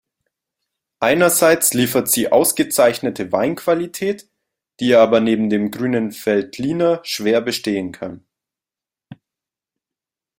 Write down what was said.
Einerseits liefert sie ausgezeichnete Weinqualität, die aber neben dem Grünen Veltliner schwer bestehen kann.